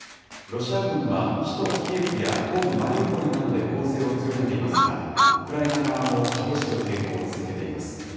ロシア軍は首都キエフや東部マリウポリなどで攻勢を強めていますが、ウクライナ側も激しく抵抗を続けています。